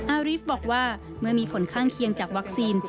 อาริฟต์บอกว่าเมื่อมีผลข้างเคียงจากวัคซีน